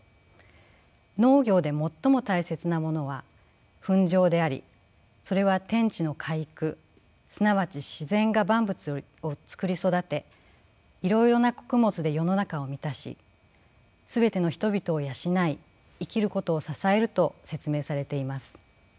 農業で最も大切なものは糞壌でありそれは天地の化育すなわち自然が万物をつくり育ていろいろな穀物で世の中を充たし全ての人々を養い生きることを支えると説明されています。